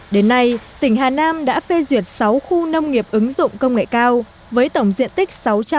đến nay tỉnh hà nam đã phê duyệt sáu khu nông nghiệp ứng dụng công nghệ cao với tổng diện tích